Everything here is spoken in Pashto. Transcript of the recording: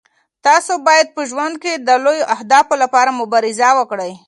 تاسو باید په ژوند کې د لویو اهدافو لپاره مبارزه وکړئ.